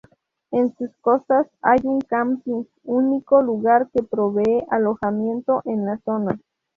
En sus costas hay un camping, único lugar que provee alojamiento en la zona.